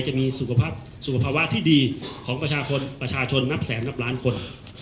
จะมีสุขภาวะที่ดีของประชาชนประชาชนนับแสนนับล้านคน